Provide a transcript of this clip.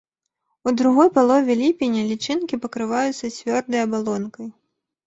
У другой палове ліпеня лічынкі пакрываюцца цвёрдай абалонкай.